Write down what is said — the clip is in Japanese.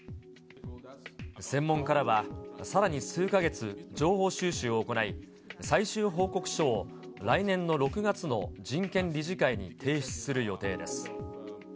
専門家らは、さらに数か月、情報収集を行い、最終報告書を来年の６月の人権理事会に提出する予定です。